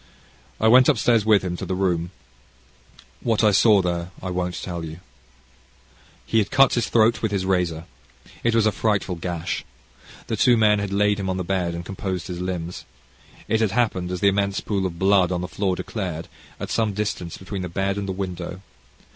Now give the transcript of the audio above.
I went upstairs with him to the room what I saw there I won't tell you. He had cut his throat with his razor. It was a frightful gash. The two men had laid him on the bed, and composed his limbs. It had happened, as the immense pool of blood on the floor declared, at some distance between the bed and the window.